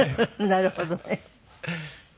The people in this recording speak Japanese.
なるほどね。